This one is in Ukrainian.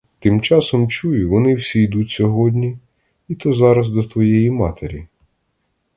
Тимчасом чую, вони всі йдуть сьогодні, і то зараз, до твоєї матері.